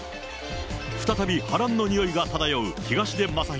再び波乱のにおいが漂う東出昌大